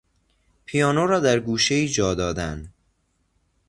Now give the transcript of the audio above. پیانو را در گوشهای جا دادن